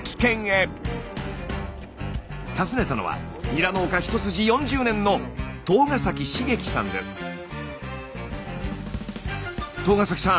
訪ねたのはニラ農家一筋４０年の東ヶ崎さん